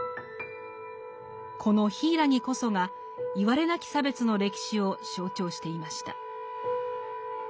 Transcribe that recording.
この柊こそがいわれなき差別の歴史を象徴していました。